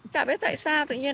chả biết tại sao